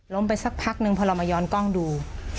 ล้มไปสักพักหนึ่งเพราะเรามาย้อนกล้องดู